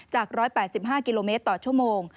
จาก๑๘๕กิโลเมตรต่อชั่วโมง